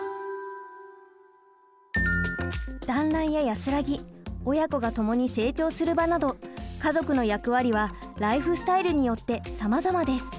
団らんや安らぎ親子が共に成長する場など家族の役割はライフスタイルによってさまざまです。